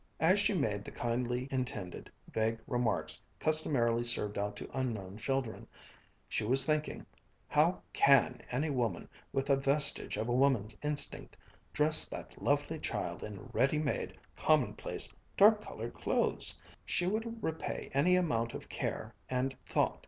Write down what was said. As she made the kindly intended, vague remarks customarily served out to unknown children, she was thinking: "How can any woman with a vestige of a woman's instinct dress that lovely child in ready made, commonplace, dark colored clothes? She would repay any amount of care and "thought."